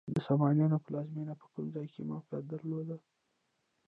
د سامانیانو پلازمینه په کوم ځای کې موقعیت درلود؟